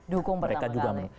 dukung pertama kali